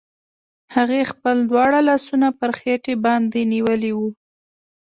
هغې خپل دواړه لاسونه پر خېټې باندې نيولي وو.